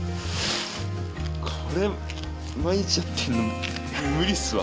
・これ毎日やってんの無理っすわ。